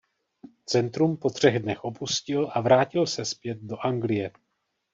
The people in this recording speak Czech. Centrum po třech dnech opustil a vrátil se zpět do Anglie.